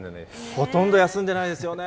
ほとんど休んでないですよね。